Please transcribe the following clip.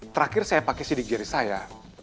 terakhir saya pakai sidik jari saya